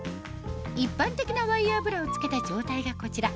一般的なワイヤーブラを着けた状態がこちら